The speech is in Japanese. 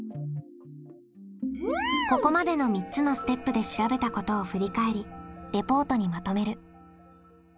ここまでの３つのステップで調べたことを振り返りレポートにまとめる。